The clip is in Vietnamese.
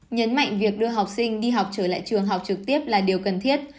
nhấn mạnh việc đưa học sinh đi học trở lại trường học trực tiếp là điều cần thiết